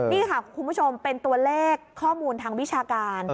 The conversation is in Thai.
นี่ค่ะคุณผู้ชมเป็นตัวเลขข้อมูลทางวิชาการ